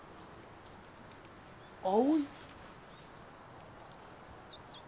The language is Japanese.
葵？